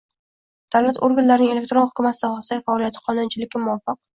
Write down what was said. Davlat organlarining elektron hukumat sohasidagi faoliyati qonunchilikka muvofiq